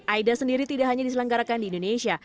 aida sendiri tidak hanya diselenggarakan di indonesia